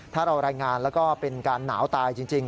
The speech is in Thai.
ถ้าเรารายงานแล้วก็เป็นการหนาวตายจริง